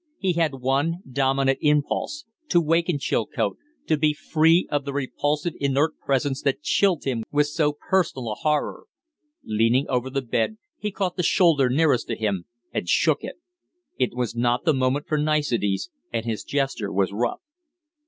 He had one dominant impulse to waken Chilcote, to be free of the repulsive, inert presence that chilled him with so personal a horror. Leaning over the bed, he caught the shoulder nearest to him and shook it. It was not the moment for niceties, and his gesture was rough.